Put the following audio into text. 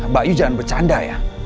mbak yu jangan bercanda ya